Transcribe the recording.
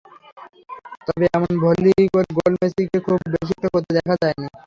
তবে এমন ভলি করে গোল মেসিকে খুব বেশি একটা করতে দেখা যায়নি।